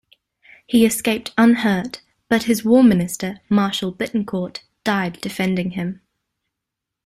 He escaped unhurt, but his war minister, Marshal Bittencourt, died defending him.